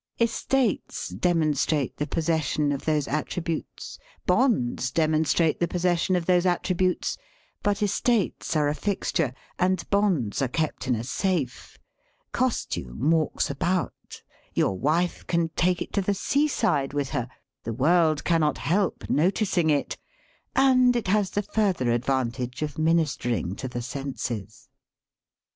Estates demonstrate the pos session of those attributes ; bonds demonstrate the possession of those attributes. But estates are a fixture, and bonds are kept in a safe. Costume walks about ; your wife can take it to the seaside with her ; the world cannot help noticing it ; and it has the further advantage of ministering to the senses.